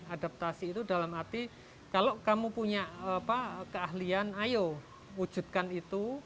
adaptasi itu dalam arti kalau kamu punya keahlian ayo wujudkan itu